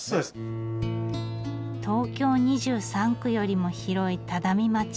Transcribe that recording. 東京２３区よりも広い只見町。